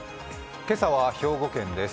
今朝は兵庫県です。